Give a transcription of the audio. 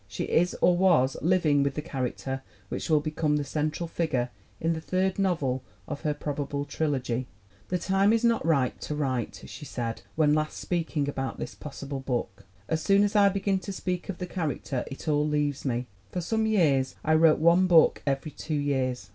She is, or was, living with the character which will become the central figure in the third novel of her probable trilogy. "The time is not ripe to write," she said, when last speaking about this possible book. "As soon as I begin to speak of the character it all leaves me. For some years I wrote one book every two years.